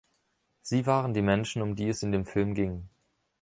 Sie waren die Menschen, um die es in dem Film ging.